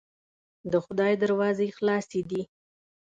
د خدای دروازې خلاصې دي.